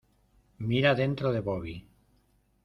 mira dentro de Bobby.